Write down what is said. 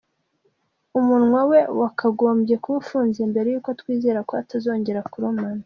Umunwa we wakagombye kuba ufunze mbere y’uko twizera ko atazongera kurumana.